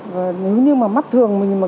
và nếu như mà mắt thường mình mà